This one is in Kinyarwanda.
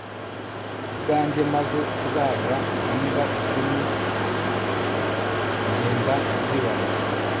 ku bwanjye maze kubaga imbwa icumi ngenda nzibara''